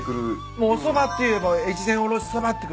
もうおそばっていえば越前おろしそばって。